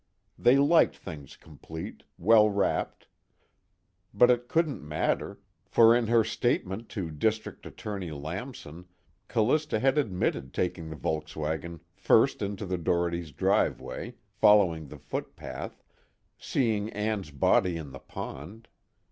They liked things complete, well wrapped. But it couldn't matter, for in her statement to District Attorney Lamson Callista had admitted taking the Volkswagen first into the Dohertys' driveway, following the footpath, seeing Ann's body in the pond.